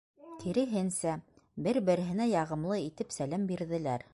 Киреһенсә, бер-береһенә яғымлы итеп сәләм бирҙеләр.